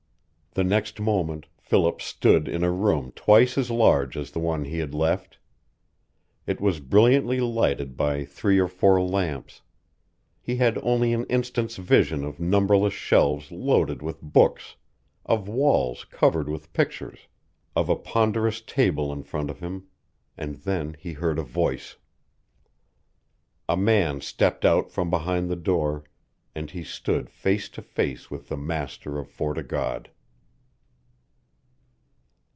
The next moment Philip stood in a room twice as large as the one he had left. It was brilliantly lighted by three or four lamps; he had only an instant's vision of numberless shelves loaded with books, of walls covered with pictures, of a ponderous table in front of him, and then he heard a voice. A man stepped out from beside the door, and he stood face to face with the master of Fort o' God.